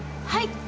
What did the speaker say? はい。